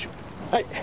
はい。